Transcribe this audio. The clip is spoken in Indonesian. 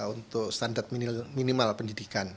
untuk standar minimal pendidikan